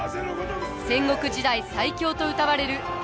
戦国時代最強とうたわれる武田信玄。